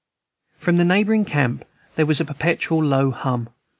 From the neighboring camp there was a perpetual low hum.